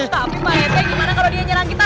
tapi pak rete gimana kalau dia nyerang kita